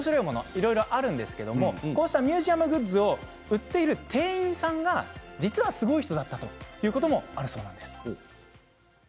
いろいろあるんですけれどもこうしたミュージアムグッズを売っている店員さんが実はすごい人だったということもあるそうなんです。